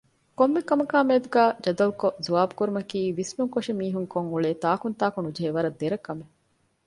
ކޮންމެކަމަކާމެދުގައި ޖަދަލުކޮށް ޒުވާބުކުރުމަކީ ވިސްނުންކޮށި މީހުންކޮށްއުޅޭ ތާކުންތާކުނުޖެހޭ ވަރަށް ދެރަކަމެއް